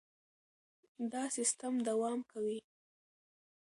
دا سیستم دوام کوي.